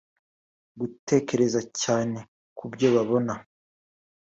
gutekereza cyane kubyo babona